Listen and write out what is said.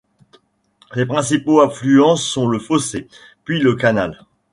Les principaux affluents sont le Fossé, puis le Canal.